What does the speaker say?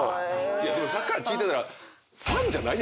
でもさっきから聞いてたら。